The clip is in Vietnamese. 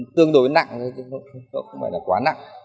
tương đối nặng không phải là quá nặng